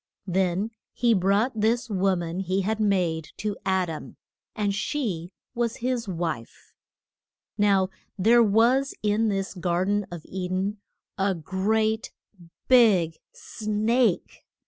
Then he brought this wo man he had made to Ad am, and she was his wife. Now there was in this gar den of E den a great big snake.